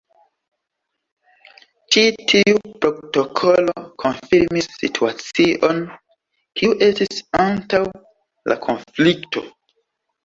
Ĉi tiu protokolo konfirmis situacion kiu estis antaŭ la konflikto.